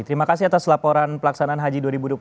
terima kasih atas laporan pelaksanaan haji dua ribu dua puluh satu